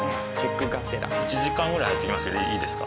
１時間ぐらい入ってきますけどいいですか？